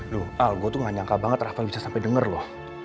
loh al gue tuh enggak nyangka banget rafael bisa sampai dengar lo